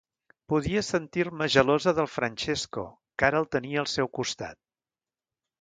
Podia sentir-me gelosa del Francesco, que ara el tenia al seu costat...